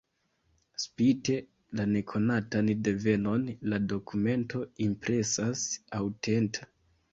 Spite la nekonatan devenon la dokumento impresas aŭtenta.